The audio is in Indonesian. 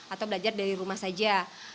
atau belajar dari rumah saja